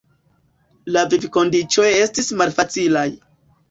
La vivkondiĉoj estis malfacilaj.